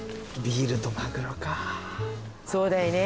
そうだよね。